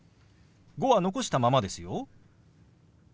「５」は残したままですよ。